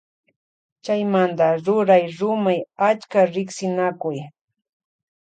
Chaymanta ruray rumay achka riksinakuy.